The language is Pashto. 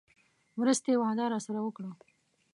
مرستې وعده راسره وکړه.